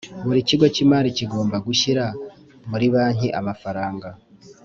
Buri kigo cy imari kigomba gushyira muri banki amafaranga